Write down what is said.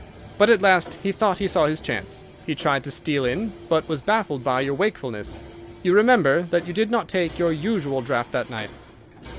But at last he thought he saw his chance. He tried to steal in, but was baffled by your wakefulness. You remember that you did not take your usual draught that night."